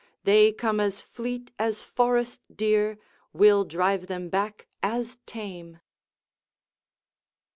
They come as fleet as forest deer, We'll drive them back as tame."